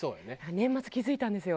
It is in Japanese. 年末気付いたんですよ。